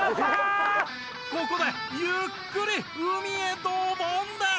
ここでゆっくり海へドボンです！